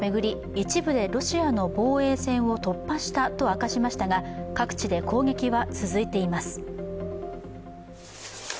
一部でロシアの防衛戦を突破したと明かしましたが、各地で攻撃は続いています。